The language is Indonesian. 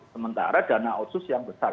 sementara dana otsus yang besar